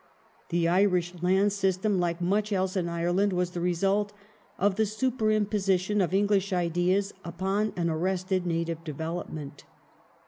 The Irish land system, like much else in Ireland, was the result of the super imposition of English ideas upon an arrested native development.